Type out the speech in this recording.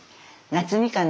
夏みかん。